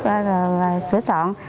rồi sửa sọn